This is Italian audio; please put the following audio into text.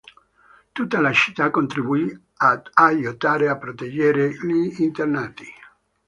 Tutta la città contribuì ad aiutare e proteggere gli internati.